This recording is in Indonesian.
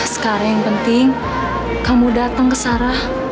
sekarang yang penting kamu datang ke sarah